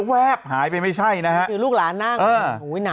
แวบหายไปไม่ใช่นะฮะคือลูกหลานั่งเออโอ้ยหนาวจริง